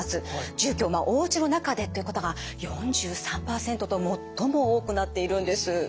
住居おうちの中でという方が４３％と最も多くなっているんです。